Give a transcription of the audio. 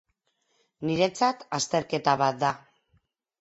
Niretzat azterketa bat da.